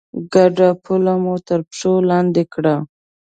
ګډه پوله مو تر پښو لاندې کړه.